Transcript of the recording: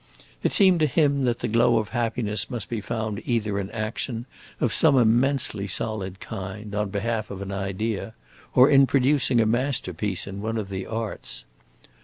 It seemed to him that the glow of happiness must be found either in action, of some immensely solid kind, on behalf of an idea, or in producing a masterpiece in one of the arts.